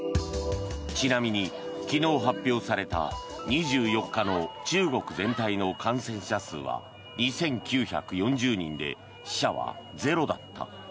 ちなみに、昨日発表された２４日の中国全体の感染者数は２９４０人で死者はゼロだった。